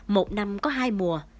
một năm có hai mùa